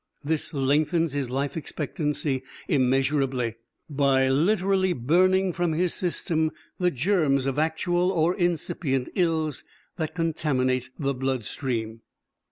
This lengthens his life expectancy immeasurably, by literally burning from his system the germs of actual or incipient ills that contaminate the blood stream.